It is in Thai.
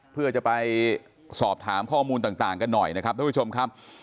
เพื่อจะไปสอบถามข้อมูลต่างกันหน่อยนะครับท่านผู้ชมครับ